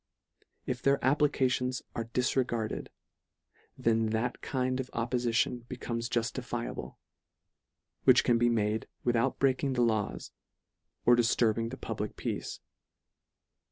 If their applications are dis regarded, then that kind of oppolition be comes juftifiable, which can be made with out breaking the laws, or difturbing the pub lic peace.